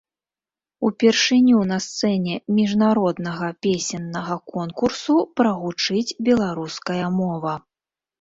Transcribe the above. Упершыню на сцэне міжнароднага песеннага конкурсу прагучыць беларуская мова.